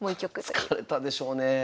疲れたでしょうねえ。